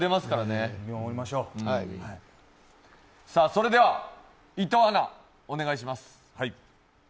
それでは伊藤アナ、お願いします。